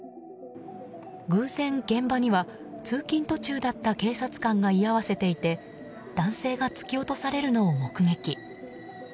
偶然、現場には通勤途中だった警察官が居合わせていて男性が突き落とされるのを目撃。